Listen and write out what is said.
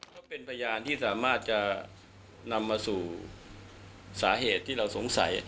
ก็เป็นพยานที่สามารถจะนำมาสู่สาเหตุที่เราสงสัย